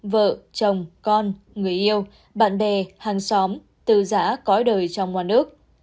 vợ chồng con người yêu bạn bè hàng xóm từ giã có đời trong ngoài nước